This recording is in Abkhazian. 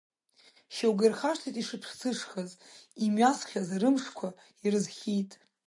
Шьоукы ирхашҭит ишыԥсышаз, имҩасхьаз рымышқәа ирызхьит.